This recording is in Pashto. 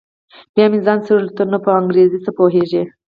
بيا مې ځان سره وويل ته نو په انګريزۍ څه پوهېږې.